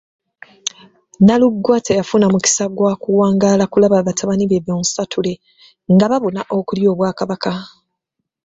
Nnalugwa teyafuna mukisa gwa kuwangaala kulaba batabani be bonsatule nga babuna okulya obwakabaka.